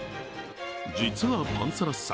実はパンサラッサ、